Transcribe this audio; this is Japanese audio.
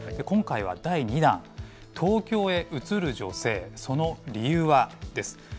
今回は第２弾、東京へ移る女性、その理由は？です。